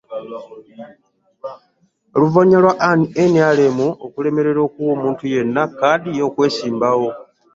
Oluvannyuma lwa NRM okulemererwa okuwa omuntu yenna kkaadi y'okwesimbawo